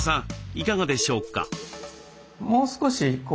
いかがでしょうか？